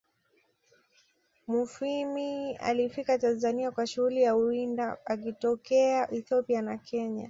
Mufwimi alifika Tanzania kwa shughuli ya uwinda akitokea Ethiopia na kenya